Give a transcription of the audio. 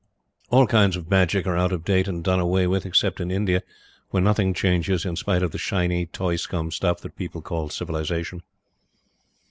All kinds of magic are out of date and done away with except in India where nothing changes in spite of the shiny, toy scum stuff that people call "civilization."